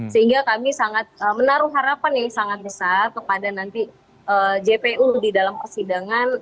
sehingga kami sangat menaruh harapan yang sangat besar kepada nanti jpu di dalam persidangan